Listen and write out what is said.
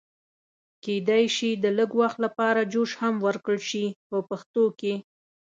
کېدای شي د لږ وخت لپاره جوش هم ورکړل شي په پښتو کې.